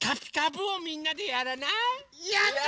やった！